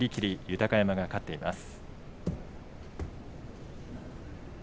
豊山が勝っています。